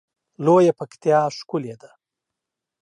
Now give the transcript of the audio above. لویه پکتیا ښکلی ده